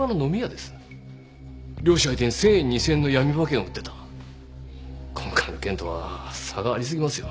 漁師相手に１０００円２０００円のヤミ馬券を売ってた今回の件とは差がありすぎますよ